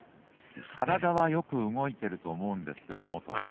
体はよく動いていると思うんですけどもと。